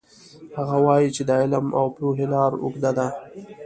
هغه وایي چې د علم او پوهې لار اوږده ده